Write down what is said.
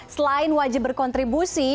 selain wajib berkontribusi